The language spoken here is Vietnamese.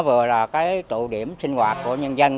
vừa là tụ điểm sinh hoạt của nhân dân